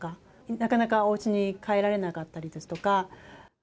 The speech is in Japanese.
なかなかおうちに帰られなかったりですとか。